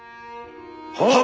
はっ！